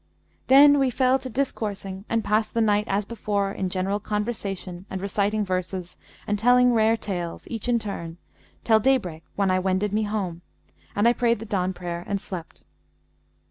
Then we fell to discoursing and passed the night as before in general conversation and reciting verses and telling rare tales, each in turn, till daybreak, when I wended me home; and I prayed the dawn prayer and slept.